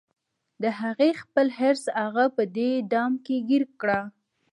د هغې خپل حرص هغه په دې دام کې ګیر کړه